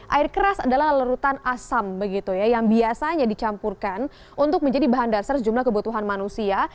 air keras adalah lerutan asam begitu ya yang biasanya dicampurkan untuk menjadi bahan dasar jumlah kebutuhan manusia